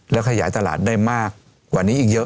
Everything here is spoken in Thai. แล้วขยายตลาดได้มากกว่านี้อีกเยอะ